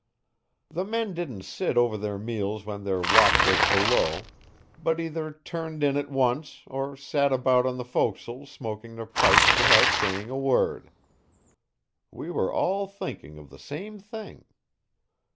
The men didn't sit over their meals when their watch was below, but either turned in at once or sat about on the forecastle smoking their pipes without saying a word. We were all thinking of the same thing.